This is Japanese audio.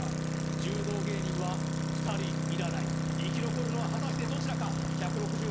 柔道芸人は２人いらない生き残るのは果たしてどちらか？